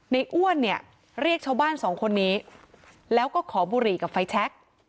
อ้วนเนี่ยเรียกชาวบ้านสองคนนี้แล้วก็ขอบุหรี่กับไฟแชค